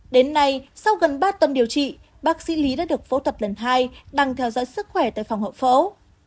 đến nay sau gần ba tuần điều trị bác sĩ lý đã được phẫu thuật lần hai đang theo dõi sức khỏe tại phòng hậu phẫu